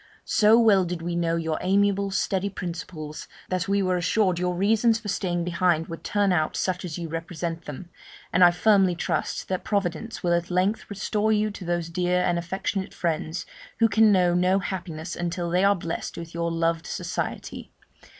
So well did we know your amiable, steady principles, that we were assured your reasons for staying behind would turn out such as you represent them; and I firmly trust that Providence will at length restore you to those dear and affectionate friends, who can know no happiness until they are blest with your loved society.